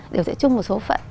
đều sẽ chung một số phận